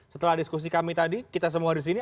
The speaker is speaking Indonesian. setelah diskusi kami tadi kita semua di sini